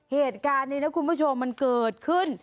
เหตุการณ์นี้นะคุณผู้ชมมันเกิดขึ้น